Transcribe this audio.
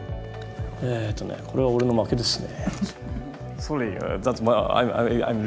えとねこれは俺の負けですね。